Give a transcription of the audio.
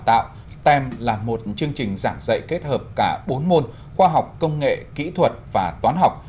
tạo stem là một chương trình giảng dạy kết hợp cả bốn môn khoa học công nghệ kỹ thuật và toán học